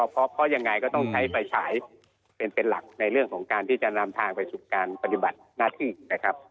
เพราะยังไงก็ต้องใช้ไฟฉายเป็นหลักในเรื่องของการที่จะนำทางไปสู่การปฏิบัติหน้าที่นะครับ